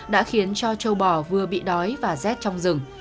đã khiến cho châu bò vừa bị đói và rét trong rừng